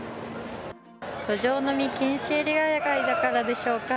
路上飲み禁止エリア外だからでしょうか。